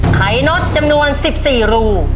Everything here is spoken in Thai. ไขน็อตจำนวน๑๔รู